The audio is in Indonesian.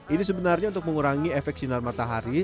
ini sebenarnya untuk mengurangi efek sinar matahari